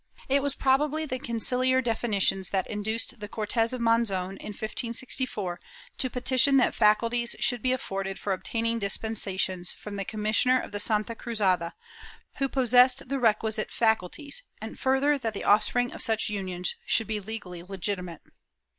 ^ It was probably the conciliar definitions that induced the Cortes of Monzon, in 1564, to petition that facihties should be afforded for obtaining dispensations from the Commissioner of the Santa Cruzada, who possessed the requi site faculties, and further that the offspring of such unions should be legally legitimate.